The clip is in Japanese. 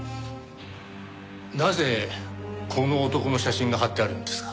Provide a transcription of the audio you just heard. なぜこの男の写真が貼ってあるんですか？